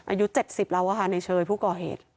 อายุ๗๐แล้วค่ะในเชยผู้ก่อเหตุ